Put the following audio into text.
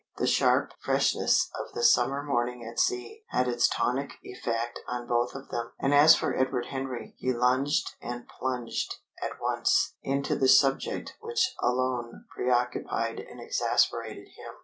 The sharp freshness of the summer morning at sea had its tonic effect on both of them; and as for Edward Henry, he lunged and plunged at once into the subject which alone preoccupied and exasperated him.